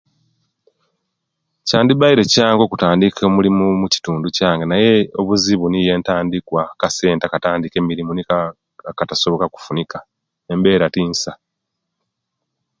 Kyandi baire kyangu okutandika omulimu omukitundu kyange naye obuzibu niyo entandikwa akasente akatandika emirimu niko etikafunika embera tinsa